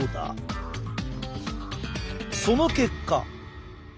その結果。